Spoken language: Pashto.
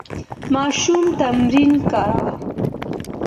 ماشوم تمرین کاوه.